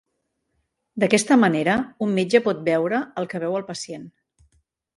D'aquesta manera, un metge pot "veure" el que veu el pacient.